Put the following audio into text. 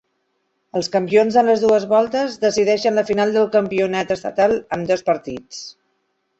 Els campions de les dues voltes decideixen la final del campionat estatal en dos partits.